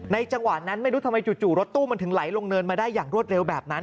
จังหวะนั้นไม่รู้ทำไมจู่รถตู้มันถึงไหลลงเนินมาได้อย่างรวดเร็วแบบนั้น